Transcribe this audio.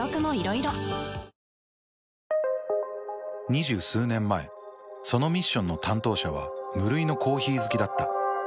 ２０数年前そのミッションの担当者は無類のコーヒー好きだった。